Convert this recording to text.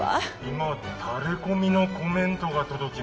「今タレコミのコメントが届きましたよ」